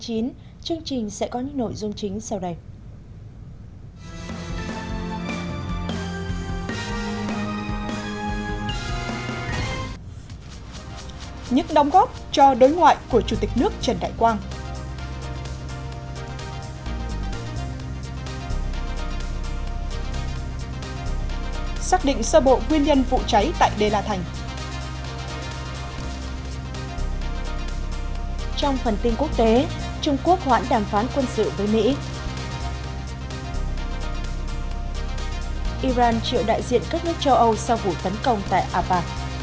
iran chịu đại diện các nước châu âu sau vụ tấn công tại aba